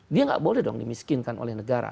dia nggak boleh dong dimiskinkan oleh negara